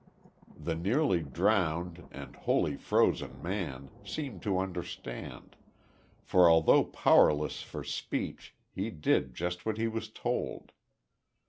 The nearly drowned, and wholly frozen man seemed to understand, for although powerless for speech he did just what he was told.